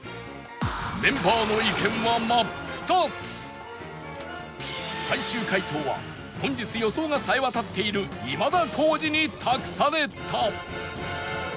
メンバーの最終解答は本日予想がさえ渡っている今田耕司に託された